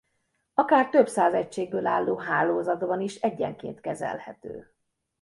Akár több száz egységből álló hálózatban is egyenként kezelhető.